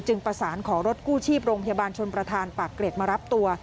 ประสานขอรถกู้ชีพโรงพยาบาลชนประธานปากเกร็ดมารับตัว